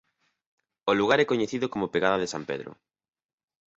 O lugar é coñecido como Pegada de San Pedro.